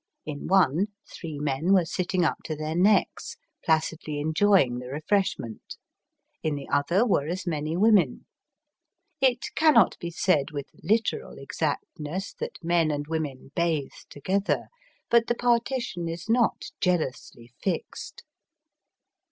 In one three men were sitting up to their necks, placidly enjoying the refresh ment. In the other were as many women. It cannot be said with literal exactness that men and women bathe together; but the partition is not jealously fixed.